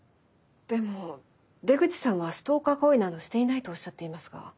でも出口さんはストーカー行為などしていないとおっしゃっていますが。